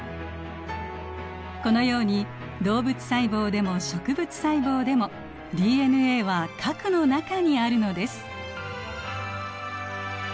このように動物細胞でも植物細胞でもＤＮＡは核の中にあるのです。